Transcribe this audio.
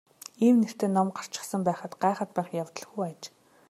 Ийм нэртэй ном гарчихсан байхад гайхаад байх явдалгүй аж.